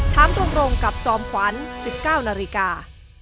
ถามตรงกับจอมขวัญ๑๙นาฬิกา